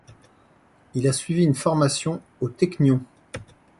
Il a suivi une formation au Technion.